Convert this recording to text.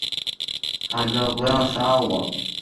喊着不要杀我